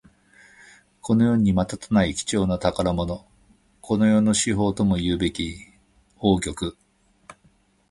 この世にまたとない貴重な宝物。この世の至宝ともいうべき宝玉。